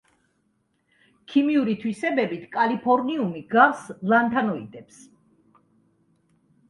ქიმიური თვისებებით კალიფორნიუმი გავს ლანთანოიდებს.